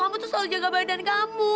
kamu tuh selalu jaga badan kamu